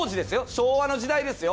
昭和の時代ですよ。